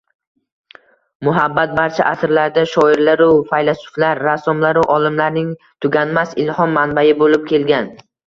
Muhabbat barcha asrlarda shoirlaru faylasuflar, rassomlaru olimlarning tuganmas ilhom manbai bo‘lib kelgan